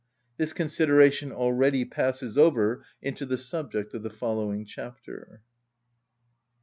This consideration already passes over into the subject of the following chapter.